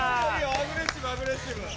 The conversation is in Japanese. アグレッシブアグレッシブ。